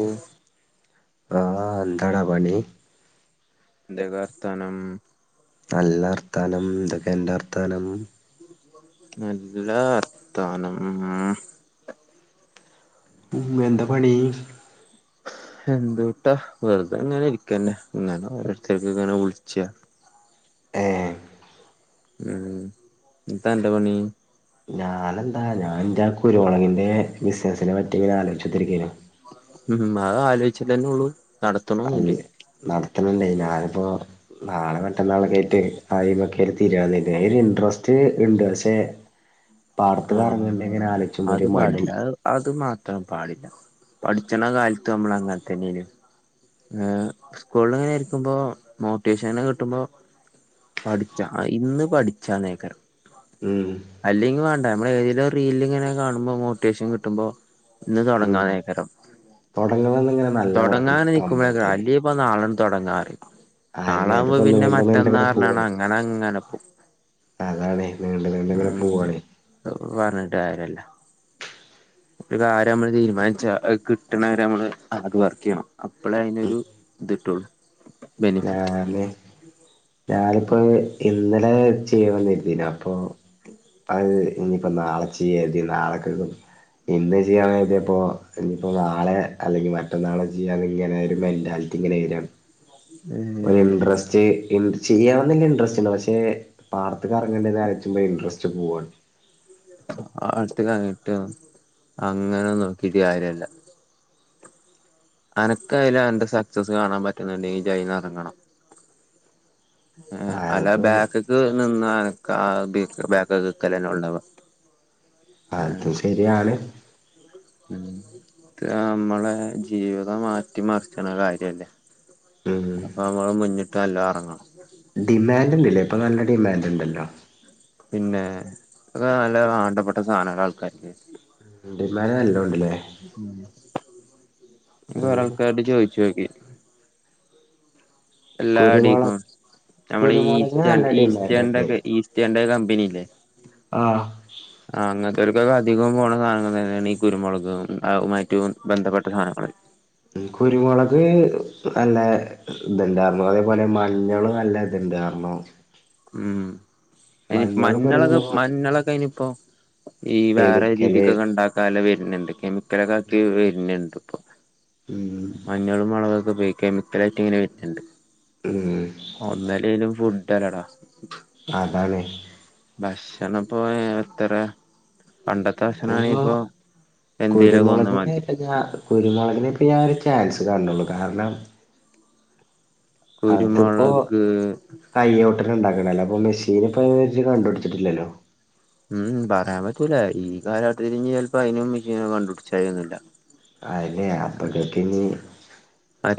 ഓ ആഹ് ന്താടാ പണി എന്തെക്കെ വർത്താനം നല്ലർത്ഥനം എന്തൊക്കെ എന്റെ അർത്ഥനം നല്ല അർഥാനം ഉം എന്ത പണി എന്തട്ടാ വെറുതെ ഇങ്ങനെ ഇരിക്കന്നെ ഇങ്ങനെ ഓടത്തേക്ക് ഇങ്ങനെ വിളിച്ച ഏഹ് ഉം ഇന്ത അന്റെ പണി ഞാനെന്താ ഞാൻ എന്റെ കുരുമുളങ്ങിന്റെ ബിസിനസിനെ പറ്റി ഇങ്ങനെ ആലോചിച്ചത്തിരിക്കരുന്നു ഉം അത് ആലോചിച്ചട്ടന്നെ ഉള്ളൂ അത് നടത്തണണ്ട ഞാനിപ്പോ നാളെ പെട്ടന്നാളൊക്ക ആയിട്ട് ആദ്യമൊക്കെ തീരുൻ അ ഒരു ഇൻട്രസ്റ്റ് ഇണ്ട് പക്ഷെ പാടത്ത് ആഹ് കറങ്ങണ്ട ഇങ്ങനെ ആലോചിക്കുമ്പോ അത് ഒരു പാടില്ല മടി അത് മാത്രം പാടില്ല പഠിച്ചണ കാലത്ത് നമ്മൾ അങ്ങനെത്തന്നെ സ്കൂളിൽ ഇങ്ങനെ ആരിക്കുമ്പോ മോട്ടിവേഷന കിട്ടുമ്പോ പഠിച്ച ഇന്ന് പഠിച്ച നേക്കരം ഉം അല്ലെങ്കിൽ വേണ്ട നമ്മള് ഏതേലും റീല് ഇങ്ങനെ കാണുമ്പോ മോട്ടിവേഷൻ കിമോ ഉം തൊടങ്ങണെന്ന് ഇങ്ങനെ നല്ല കമ്പണ്ട് ഇനിപ്പ നാളെ തുടങ്ങാ പറയും അതിനെ നാളാകുമ്പോ ഇതിപ്പോ പിന്നെ നീണ്ടു മറ്റന്നാൾ നീണ്ടിങ്ങനെ പറഞ്ഞാണ് പോവാണ് അങ്ങനെ അങ്ങനെപ്പോ. അതാണ് നീണ്ട് നീണ്ട് ഇങ്ങനെ പോവവാണേ അത് പറഞ്ഞിട്ട് കാര്യല്ല. ഒരു കാര്യം നമ്മള് തീരുമാനിച്ചാ അത് കിട്ടണ വരെ നമ്മള് ഹാർഡ് വർക്ക് ചെയ്യണം. അപ്പോളേ അതിനൊരു ഇത് കിട്ടുള്ളൂ. ബെനിഫിറ്റ് ഞാന് ഞാനിപ്പോ ഇന്നലെ ചെയ്യന്നെന്തിനാ അപ്പൊ അത് ഇനിയിപ്പം നാളെച്ച്യയതി നാളെക്കെക്കും ഇന്ന് ചെയ്യാണ കഴതിയപ്പോൾ ഇനിയിപ്പോൾ നാളെ അല്ലെങ്കിൽ മറ്റന്നാളെ ചെയ്യാ ഇങ്ങനെരു എൻ് ഇങ്ങനെ വരാം ഒരു ഏഹ് ഇൻട്രസ്റ്റ് ചെയ്യാമന്ന വല്ല ഇൻടറസ്റ്റ ഉല്ല പക്ഷെ പാർത്തുറങ്ങേണ്ടത് അലോയ്‌ച്ചുമ്പോ ഇൻട്രസ്റ്റ് പോവാണ് ആ അടുത്ത് കഞ്ഞിട്ടും അങ്ങനെ നോക്കിട്ട് കാര്ല്ല അനക്ക അതിൽ എന്റെ സക്സസ് കാണാൻ പറ്റുന്നുണ്ടെങ്കിൽ ജൈന്ന് ഇറങ്ങണം അല്ല അതിപ്പോ ബാക്കക്ക് നിന്ന ബാക്കക്കുനിക്കൽ തന്നണ്ടാവാ അതും ശെരിയാണ് മ നമ്മളെ ജീവിതം മാറ്റിമറിച്ചണ കാര്യല്ലേ ഉം അപ്പൊ നമ്മള് മുന്നിട്ട് നല്ലാം ഇറങ്ങണം ഡിമാൻഡ് ഉണ്ടല്ലേ ഇപ്പൊ നല്ല ഡിമാൻഡ് ഉണ്ടല്ലോ പിന്നെ അ നല്ല ആണ്ടപ്പെട്ട സാധനമല്ല ആൾക്കാർക്ക് ഡിമാൻന്റ് നല്ലോണ്ടല്ലേ ഉം രാൾക്കാട് ചോയിച്ചു നോക്കി എല്ലാ കുരുമുള അഡീക്കും നമ്മൾഈ കുരുമുളകിന് ഈസ്റ്റേ നല്ല ഡിമാൻഡ് ഉണ്ട് ഈസ്റ്റേക്കെ ഈസ്റ്റേ കമ്പനിയില്ലേ ആഹ് ഉ ആ അങ്ങനത്തെവർക്കൊക്കെ അധികം പോകണ സാധനങ്ങൾ തന്നെയാണ് ഈ കുരുമുളക് റ്റവും ബന്ധപ്പെട്ട സാധനങ്ങള കുരുമുളക് നല്ല ഇത്ണ്ടായിരുന്നു അതേപോലെ മഞ്ഞള് നല്ല അതിെന്ത കാരണം ഉം അയ്ന് മഞ്ഞളും മഞ്ഞളൊക്കെ കുരുമുളകും മഞ്ഞളൊക്കെ അയ്ന്പ്പം ഈ വേറെ കെമിക്കല് രീതിക്കൊക്കെണ്ടാക്ക് തല വെര്ന്ണ്ട് കെമിക്കലാക്കി വെര്ന്ണ്ട് ഉം മഞ്ഞളും മൊളകൊക്കെ പോയ് കെമിക്കലായ്ട്ട്ങ്ങെനെ വെര്ന്ണ്ട് ഊം ഒന്നല്ലേലും ഫുഡ്ഡല്ലടാ അതാണേ ഭക്ഷണം പ്പോ എത്രെ പണ്ടത്തെ ഭക്ഷണാണെ ഇനിപ്പോ ഇപ്പൊ എന്തേലും ഒക്കൊന്ന് മതി ഞാ കുര്മാെളകിനെ ഇപ്പം ഞാൻ ഒരു ചാൻസ് കണ്ടാെള്ളു കാര്ണം അത്പ്പോ കുരുമുളക് കയ്യോട്ട്ല് ഇണ്ടാക്ക്ണല്ലോ അപ്പം മിഷീന്പ്പം ഇജ് കണ്ടുട്ച്ചിട്ട്ല്ലല്ലോ ഉം പറയാം പറ്റൂല ഈ കാലഘട്ടത്തിലിഞ്ഞ് ചെൽപ്പ അയ്നും മിഷീനാെന്നും കണ്ടുട്ച്ചായാെന്നുല്ല അല്ലെ അപ്പക്കെക്ക്നി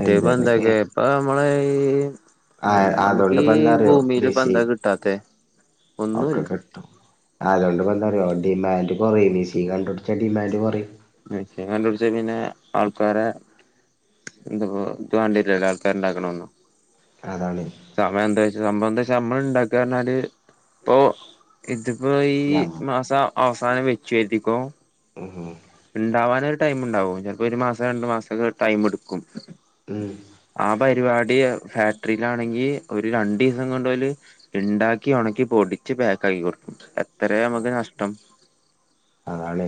എന്തേലൊക്കെ പ്പ നമ്മള് ഈ ആ ഞം നമുക്കീ അതോണ്ടിപ്പോ എന്താറിയോ മെസ്സി ഭൂമീൽപ്പെന്താ കിട്ടാത്തെ ഒന്നൂല്ലാ അതോണ്ട്പ്പെന്താറ്യോ ഡിമാൻഡ് കൊറിം മിഷീൻ കണ്ടുട്ച്ചാ ഡിമാൻഡ് കൊറിം മെഷീൻ കണ്ടുട്ച്ച പിന്നെ ആൾക്കാരെ എന്ത്പ്പാെ ഇപ്പം കണ്ടില്ലല്ലോ ആൾക്കാര്ണ്ടാക്ക്ണ ഒന്നും അതാണേ സമയെന്തേച്ചാ സംഭവംന്തെച്ചാ നമ്മള്ണ്ടാക്കാർഞ്ഞാല് ഇപ്പൊ ഇത്പ്പോ ഈ നം മാസം അവസാനം വെച്ച്ര്തിക്കോ ഓ ഓഹോ ഇണ്ടാവാനൊരു ടൈമ്ണ്ടാവും ചെൽപ്പോര് മാസാേ രണ്ട് മാസാെക്കെ ടൈമ്ട്ക്കും ഉം ആ പര്പാടി ഫാക്ടറീലാണെങ്കി ഒരേ രണ്ടീസം കൊണ്ടാേല് ഇണ്ടാക്കി ഒണെക്കി പൊടിച്ച് പാക്കാക്കി കൊട്ക്കും എത്രേ ഞമ്മക്ക് നഷ്ടം അതാണെ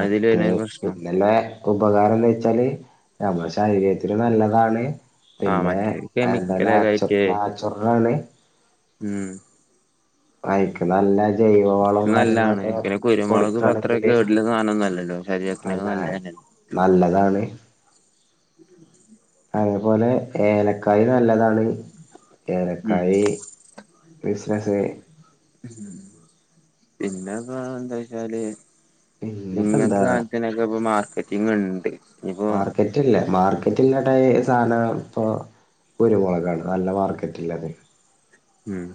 അതില് വരുന്നൊരു പ്രശ്നം പിന്നെല്ലെ ഉപകാരംന്ന് വെച്ചാല് ഞമ്മെളെ ശരീരത്തിന് നല്ലതാണ് ആ പിന്നെ മറ്റേ എന്താ കെമിക്കലൊക്കെ നാച്ചൊ ആയിട്ട് നാച്ചൊർലാണ് ഉം അയിക്ക് നല്ല ഇത് ജൈവവളവും നല്ലാണ് കാര്യങ്ങളൊക്കെ പിന്നെ കുരുമൊളക് പ്പത്രെ കൊടുക്കാണെങ്കില് കേട്ല്ലെ സാനൊന്നു അല്ലല്ലോ ശരീര ത്ത്ന് അതെ നല്ലെന്നെല്ലേ നല്ലതാണ് അതേപോലെ ഏലക്കായി നല്ലതാണ് ഉം ഏലക്കായി ബിസ്നസ്ന് ഉം പിന്നെപ്പാ എന്തൊയ്ച്ചാല് പിന്നെപ്പോ എന്താ ഇങ്ങൻത്തെ സാൻത്തിനൊക്കെ ഇപ്പം മാർക്കറ്റിങ്ങ്ണ്ട് മാർക്കെറ്റ്ല്ലാ മാർക്കെറ്റില്ല ടൈ സാന പ്പൊ കുരുമൊളകാണ് നല്ല മാർക്കെറ്റ്ല്ലെതെ ഉം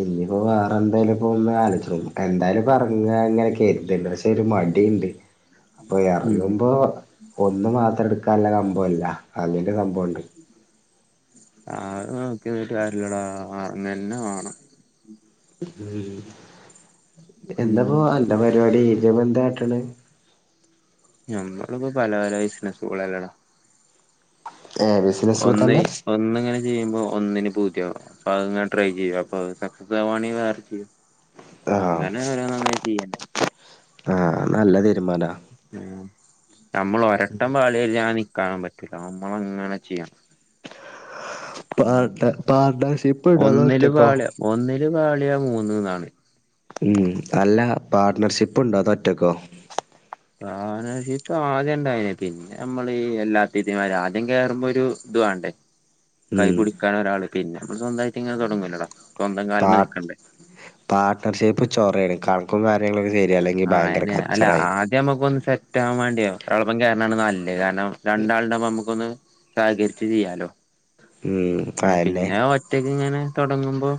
ഇഞ്ഞ്പ്പോ വേറെ എന്തേലും പ്പൊ ഒന്ന് ആലോയ്ച്ച് എന്തായാലും പ്പെർങ്ങാ ങ്ങെനെ കെര്ത്ണ്ട് പക്ഷെ ഒര് മടീണ്ട് അപ്പൊ ഉം എറങ്ങുമ്പോ ഒന്ന് മാത്രം ട്ക്കാല്ല കംബു അല്ല അങ്ങെനെരു സംഭവുണ്ട് അത് നോക്കീന്ന്ട്ട് കാര്യല്ലടാ വാങ്ങെന്നെ വാണം ഉം ഉം എന്താപ്പോ അന്റെ പരിപാടി ജ്പ്പെന്താട്ട്ണ് ഞമ്മക്ക്പ്പോ പല പല ബിസ്നസ്സ്കുളല്ലെടാ ഏ ബിസിനസ് ഒന്ന് തന്നെ ഒന്ന്ങ്ങനെ ത് ചെയ്യുമ്പോ ഒന്നിന് പൂതിയാവു അപ്പൊ അത്ങ്ങനെ ട്രൈ ചെയ്യും അപ്പൊ അത് സക്സസ് ആവാണെ വേറെ ചെയ്യും ആ അങ്ങനെ ഓരോന്നങ്ങനെ ചെയ്യന്നെ അത് നല്ല തീരുമാനമാനാ ഉം നമ്മള് ഒരട്ടം പാളിയാ നിക്കാൻ പറ്റൂല്ലാ നമ്മളിങ്ങനെ ചെയ്യണം ഉം പാട്ട പാട്ണർഷിപ്പ്ണ്ടാ അതോ ഒന്നില് ഒറ്റക്കോ പാളിയ ഒന്നില് പാളിയാ മൂന്ന്ന്നാണ് ഉം അല്ലാ പാർട്ട്ണർഷിപ്പ്ണ്ടോ അതൊ ഒറ്റക്കോ പാർട്ണർഷിപ്പ് ആദ്യണ്ടായിനി പിൻ ഞമ്മളീ ഈ എല്ലാത്തീതിമാര് ആദ്യം കേറുമ്പൊരു ഇതുവാണ്ടേ ഉം കൈപുടിക്കാന് ഒരാള് പിന്നെ നമ്മള് സ്വന്തായിട്ട്ങ്ങനെ തൊടങ്ങൂലെടാ സ്വന്തം പാ കാല്മ്മെ നിക്കണ്ടേ പാർട്ട്ണർഷിപ്പ് ചൊറേണ് കണക്കും കാര്യങ്ങളൊക്കെ ശരിയല്ലെങ്കിൽ ഭയങ്കര കച്ചറായി ഇത് ഞമ്മക്കൊന്ന് സെറ്റാവാൻ വാണ്ടിയാ ഒരാളൊപ്പം ചേര്ണാണ് നല്ലെ കാരണം രണ്ടാള്ണ്ടാവുമ്പൊ നമ്മക്കൊന്ന് സഹകരിച്ച് ചെയ്യാലോ ഉം ആഹ് അയെന്നെ പിന്നെ ഒറ്റക്കിങ്ങനെ തൊടങ്ങുമ്പോ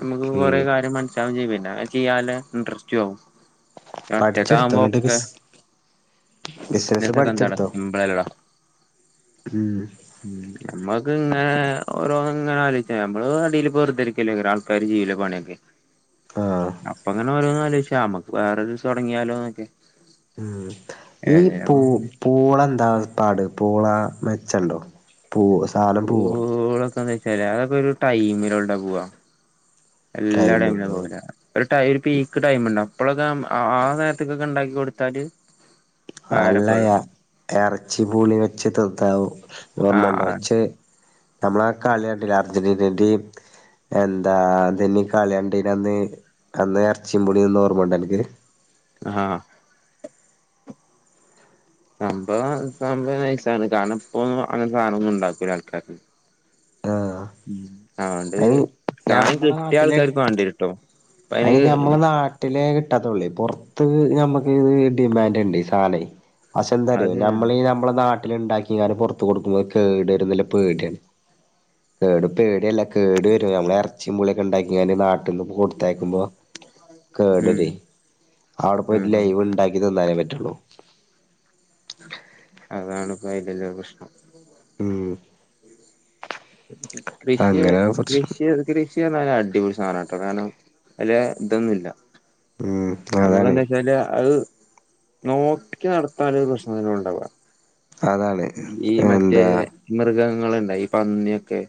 നമ്മക്ക് ഉം കൊറേ കാര്യം മനസ്സാവും ചെയ്യും പിന്നെ അത് ചെയ്യാന് ഇൻറസ്റ്റും ആവും ന്നെ പഠിച്ചെടുത്തോ എന്നിട്ട് ഒറ്റക്കാവുമ്പോക്കെ ബിസ് ബിസിനസ് ബിസിനസൊക്കെന്താടാ പഠിച്ചെടുത്തോ സിമ്പിളല്ലേടാ ഉം ഉം നമ്മക്ക്ങ്ങനെ ഓരോന്ന്ങ്ങനെ ആലോചിച്ച് നമ്മള് അടീല്‌പ്പോ വെറുതെരിക്കല്ലെ [unintelligible] കാര് ചെയ്യൂലേ പണിയൊക്കെ ആഹ് അപ്പ ഇങ്ങനെ ഓരോന്നാലോയ്ച്ചാ അമ്മക്ക് വേറെ ഇത് തൊടങ്ങിയാലോന്നൊക്കെ ഉം ഈ പൂ ഏതായാലും പൂള എന്താ പാട് പൂള മെച്ചണ്ടോ പൂ സാധനം പൂവോ പൂളക്കെന്ന് വെച്ചാല് അതൊക്കെ ഒരു ടൈമിലൊൾടാ പോവാ എല്ലാടൈമിനും ടൈമിന് പോവൂലാ ഒരു ടൈ ഒരു പീക്ക് ടൈമ്ണ്ട് അപ്പളക്കെ ആഹ് ആഹ് നേരത്ത്ക്കൊക്കെ ഇണ്ടാക്കി കൊടുത്താല് ഉപകാരപ്പെടും അല്ലയാ എറച്ചിപൂളി വെച്ച് തിന്നാവു ഓർമ്മൊണ്ടോ ആഹ് എച്ച് നമ്മളാ കളി കണ്ടില്ലെ അർജന്റീനന്റിം എന്താ അതിന് കളിയണ്ടീനന്ന് അന്ന് എറച്ചിം പൂളിന്ന ഓർമ്മണ്ട അൻക്ക് ആഹ് സംഭവം സംഭവം നൈസാണ് കാരണം ഇപ്പോന്നും അങ്ങൻത്തെ സാനൊന്നും ഇണ്ടാക്കൂലാ ആൾക്കാര് ആഹ് ഉം അതോണ്ട് അയിന് സാനം ഞമ്മളെ കിട്ടിയാ നാട്ടിലെ ആൾക്കാർക്ക് വാണ്ടിയരും. അയിന് ഞമ്മളെ നാട്ടിലേ കിട്ടാത്തുള്ളെ പൊർത്ത് ഞമ്മക്ക് ഇത് ഡിമാൻഡ് ഇണ്ടേ സാനെ. പക്ഷെ എന്താറിയോ അത് ശരിയാണ് ഞമ്മളീ ഞമ്മളെ നാട്ടിലിണ്ടാക്കിങ്ങാണ്ട് പൊർത്തു കൊടുക്കുമ്പം അത് കേടെരുന്നുള്ള പേടിയാണ്. കേട് പേടിയല്ലാ കേടെരും ഞമ്മള് എർച്ചിം പൂളിയൊക്കെ ഇണ്ടാക്കിങ്ങാണ്ട് നാട്ട്ന്ന് കൊട്ത്ത് ത്തയക്കുമ്പോ ഉം കേടരേ അവ്ടെ പോയി ആഹ് ലൈവ്ണ്ടാക്കി തിന്നാനെ പറ്റ്ള്ളൂ. അതാണ് ഇപ്പ അയ്ലിള്ള പ്രശ്നം. ഉം കൃഷിയെ അങ്ങനാ പ്രശ്നം കൃഷി എറക്കല് [unintelligible] അടിപൊളി സാനാട്ടോ കാരണം അയ്ല് ഇതൊന്നുല്ലാ ഉം അതാണ് ഞമ്മക്കെന്താച്ചാല് അത് നോക്കി നടത്താള്ള ഒരു പ്രശ്നൊന്നും ഇണ്ടാവാ അതാണ് ഈ മറ്റേ എന്താ മൃഗങ്ങളില്ലെ ഈ പന്നിയൊക്കെ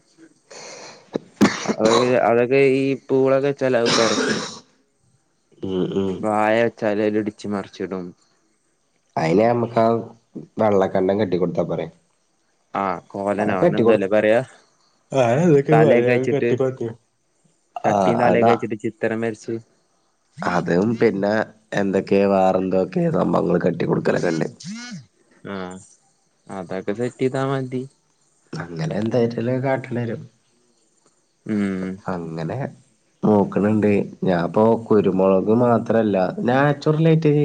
അത് അതൊക്കെ ഈ പൂളൊക്കെ ചെലത് തൊരക്കും. ഉം ഉം വായാച്ചാല് ഓലിടിച്ച് മറിച്ചിടും അയിന് ഞമ്മക്കാ വള്ളക്കണ്ടം കെട്ടികൊട്ത്താ പോരെ ആഹ് ആഹ് കോലനോ അങ്ങനെ കെട്ടി കൊട്ക്ക് എന്തോല്ലേ പറയാ വേറെന്തക്കെ പറയാ കെട്ടികൊട്ക്ക് ചട്ടീം തലൊക്കെച്ചിട്ട് ചിത്രം വര്ച്ച് അതും പിന്നെ എന്തൊക്കെ വാറൊന്തൊക്കെ സംഭവങ്ങള് കെട്ടിക്കൊട് ആഹ് അതൊക്കെ സെറ്റൈയ്താ മതി അങ്ങനെ എന്തെറ്റലൊ കാട്ടേണ്ടിവരും. ഉം അങ്ങനെ നോക്ക്ണിണ്ട് ഞാപ്പോ കുരുമുളക് മാത്രല്ല നാച്ചുറലായിറ്റ്.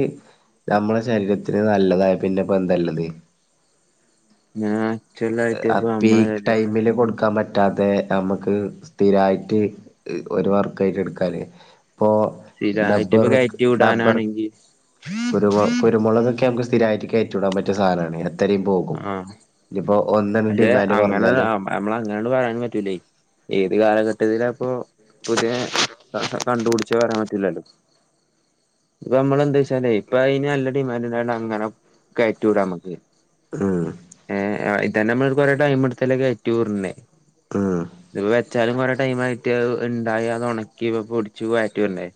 ഞമ്മളെ ശരീരത്തിന് നല്ലതായ പിന്നപ്പെന്താള്ളത്? ഞാൻ അപ്പ ഈ ടൈമില് കൊടുക്കാൻ പറ്റ് താത്തേ ഞമ്മക്ക് സ്ഥിരായിട്ട് ഒരു വർക്കായിട്ട് എടുക്കാന് ഇപ്പോ സ്ഥിരായിട്ട് ഇപ്പ കയറ്റി വിടാനാണെങ്കിൽ കുരുമൊ കുരുമൊളകൊക്കെ ഞമ്മക്ക് സ്ഥിരായിറ്റ് കയറ്റിവിടാൻ പറ്റിയ സാനാണ് എത്രേം പോവും. ആഹ് ഇഞ്ഞിപ്പോ ഒന്നന്നെ ഡിമാൻഡ് കൊർഞ്ഞാലും ഞമ്മളങ്ങാണ്ട് പറയാനും പറ്റൂലേ ഏത് കാലഘട്ടത്തിലാപ്പൊ പുതിയ താമസം കണ്ട്പുട്ച്ചോ പറയാൻ പറ്റൂലല്ലോ ഇപ്പം മ്മളെന്താച്ചാലേ ഇപ്പയിന് നല്ല ഡിമാന്റിണ്ടായോണ്ട് അങ്ങനെ കയറ്റിവിടാമ്മക്ക് ഉം ഏഹ് ഇതന്നെ മ്മളൊരു കൊറേ ടൈം ഇട്ത്തല്ലെ കയറ്റിവിട്ണെയ് ഉം വെച്ചാലും കൊറെ ടൈം ആയിട്ട് ഇണ്ടായി അത് ഒണക്കി ഇപ്പം പൊട്ച്ച് പാറ്റിടണ്ടേ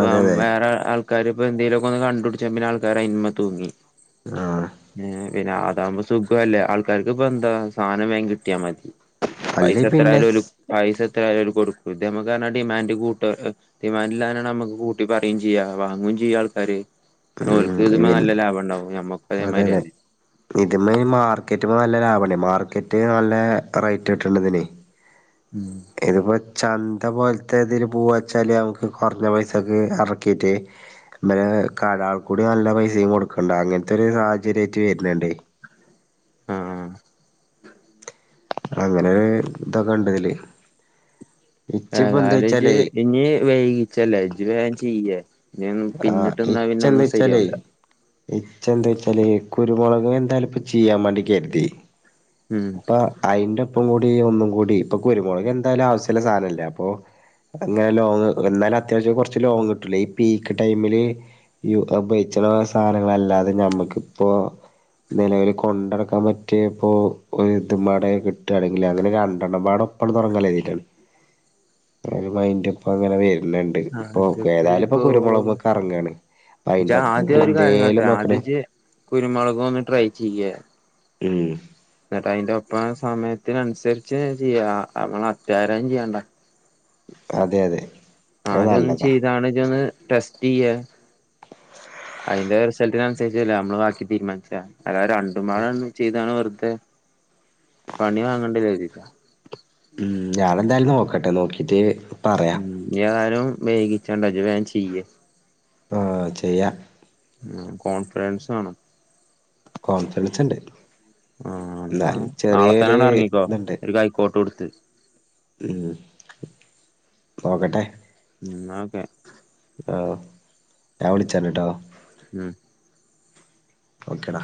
അതെ അതെ വേറെ ആൾക്കാർ ഇപ്പം എന്തേലൊക്കൊന്ന് കണ്ടുപിട്ച്ചാ പിന്നെ ആൾക്കാര് അയിമ്മ തൂങ്ങി. ആഹ് പിന്നെ അതാവുമ്പോ സുഖോല്ലേ ആൾക്കാർക്ക് ഇപ്പന്താ സാനം വേം കിട്ടിയാമതി. പൈസ അല്ലേ പിന്നെ എത്രായാലും ഓല് പൈസ എത്രയാലും കൊടുക്കും ഇത് ഞമ്മക്കർഞ്ഞാ ഡിമാൻഡ് കൂട്ട ഡിമാന്റ്ള്ളാണെ ഞമ്മക്ക് കൂട്ടി പറീം ചെയ്യ, അത് വാങ്ങും ചെയ്യും ആൾക്കാര്. ഓൽക്ക് ഇതിമ്മെ നല്ല ലാഭണ്ടാവും ഞമ്മക്ക് അതെതെ ഇതിമ്മെ ഇമാർക്കറ്റിമ്മെ നല്ല ലാഭണ്ടേ മാർക്കറ്റ് നല്ല റേറ്റ് ട്ട്ണ്ട് ഇതിനെ ഉം ഇതിപ്പോ ചന്ത പോൽത്തെതില് പോവാച്ചാല് ഞമ്മക്ക് കൊർഞ്ഞ പൈസക്ക് എർക്കീറ്റ് [unintelligible] കരാർ കൂടി നല്ല പൈസീം കൊട്ക്കണ്ട അങ്ങനത്തെ ഒരു സാഹചര്യായിട്ട് വര്ന്ണ്ട് ആഹ് അങ്ങനെ ഇതൊക്കെണ്ടതില് ഏ വെച്ചാലേ [unintelligible] ഇനി വൈകിച്ചല്ലേ ഇജ് വേഗം ചെയ്യ് ഉം ആ പിന്നിട്ട് നിന്നാ പിന്നെ ഒന്നും ശരിയാവില്ല ഇച്ച എന്താ വെച്ചാല് കുരുമുളക് എന്താലും ഇപ്പ ചെയ്യാൻ വേണ്ടി കരുതി ഉം അപ്പൊ അയിന്റെ ഒപ്പം കൂടി ഒന്നും കൂടി ഇപ്പൊ കുരുമുളക് എന്തായാലും ആവശ്യമുള്ള സാധനല്ലേ അപ്പൊ അങ്ങനെ ലോങ് എന്നാല അത്യാവശ്യം കുറച്ച് ലോങ് കിട്ടില്ലേ ഈ പീൽ ടൈമില് ഈ ഉപയോഗിച്ചുള്ള സാധനങ്ങളല്ലാതെ നമ്മക്കിപ്പോ നിലവിൽ കൊണ്ട നടക്കാൻ പറ്റിയപ്പോ ഒരു ഇതമാടെ കിട്ടുകയാണെങ്കിൽ അങ്ങനെ രണ്ടെണ്ണംവേണം കെടന്ന് ഒറങ്ങാൻ ലേ ലേറ്റാണ് [inaudible] [unintelligible] മൈന്റപ്പ അങ്ങനെ വര്ണ്‌ണ്ട്. ഇപ്പൊ അതിപ്പോ ഏതായാലുംപ്പോ ഇപ്പോ കുരുമുളകൊക്കെ എറങ്ങാണ് ഇജ്ജ് അയിന്റെ അപ്പം എന്തേലും നോക്കണം കുരുമുളകും ഒന്ന് ട്രൈ ചെയ്യാ ഉം എന്നിട്ട് അയിന്റെ ഒപ്പം സമയത്തിനനുസരിച്ച് ചെയ്യ. നമ്മള് അത്യാരം ചെയ്യണ്ട അതെ അതെ അത് ആദ്യം അതൊന്ന് നല്ലതാ ചെയ്താണ് ഇജ് ഒന്ന് ടെസ്റ്റ് ചെയ്യ അതിന്റെ റിസൾട്ടിന് അനുസരിച്ചല്ലെ നമ്മള് ബാക്കി തീരുമാനിച്ചാ അല്ലാതെ രണ്ടും മാളെ ഒന്നും ചെയ്താണ് വെർതെ പണി വാങ്ങണ്ടെന്ന് കര്തീട്ട ഉം ഞാനെന്തായാലും നോക്കട്ടെ നോക്കീട്ട് ഉം ഞാനും വൈകിച്ചണ്ട ജ്ജ് വേം ചെയ്യ് ആഹ് ചെയ്യാ ഉം കോൺഫിഡൻസ് വാണം കോൺഫിഡൻസ്ണ്ട് ആ എന്നാ ന്നാലും നാളെ ചെറിയൊരു തന്നെയണ്ട് ഇറങ്ങിക്കോ ത്ണ്ട് ഒരു കൈക്കോട്ട് കൊടുത്ത് ഉം നോക്കട്ടെ ഉം ഓക്കെ ആഹ് ഞാൻ വിളിച്ചണ്ട് ട്ടോ ഉം ഓക്കെടാ